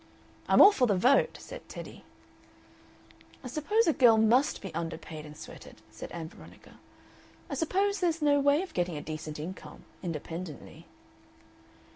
"I'm all for the vote," said Teddy. "I suppose a girl MUST be underpaid and sweated," said Ann Veronica. "I suppose there's no way of getting a decent income independently."